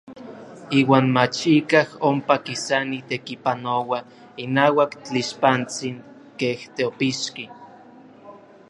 Iuan mach ikaj ompa kisani tekipanoua inauak tlixpantsin kej teopixki.